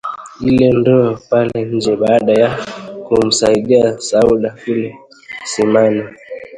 ile ndoo pale nje baada ya kumsaidia Sauda kule kisimani